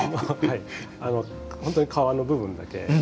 本当に皮の部分だけ。